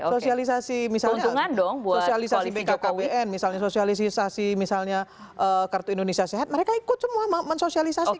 sosialisasi misalnya sosialisasi bkkbn misalnya sosialisasi misalnya kartu indonesia sehat mereka ikut semua mensosialisasikan